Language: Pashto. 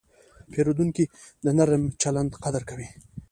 پیرودونکی د نرم چلند قدر کوي.